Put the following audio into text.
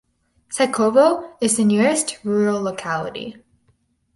Sekovo is the nearest rural locality.